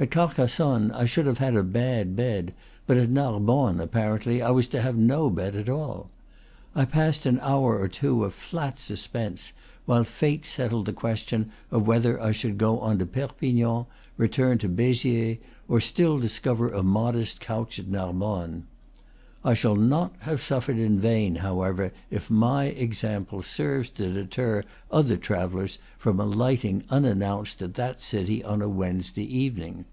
At Carcassonne I should have had a bad bed, but at Narbonne, apparently, I was to have no bed at all. I passed an hour or two of flat suspense, while fate settled the question of whether I should go on to Perpignan, return to Beziers, or still discover a modest couch at Narbonne. I shall not have suffered in vain, however, if my example serves to deter other travellers from alighting unannounced at that city on a Wednes day evening.